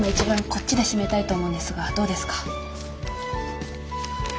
こっちで締めたいと思うんですがどうですか？